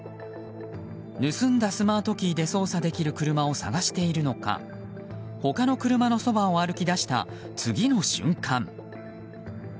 盗んだスマートキーで操作できる車を探しているのか他の車のそばを歩きだした次の瞬間